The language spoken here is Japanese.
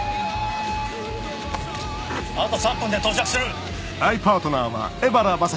あと３分で到着する！